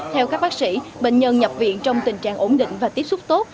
theo các bác sĩ bệnh nhân nhập viện trong tình trạng ổn định và tiếp xúc tốt